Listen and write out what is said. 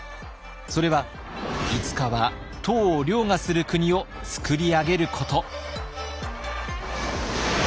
それはいつかは唐を凌駕する国をつくり上げること。